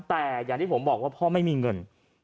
แต่อย่างที่ผมบอกว่าพ่อไม่มีเงิน